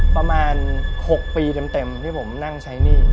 ประมาณ๖ปีเต็มที่ผมนั่งใช้หนี้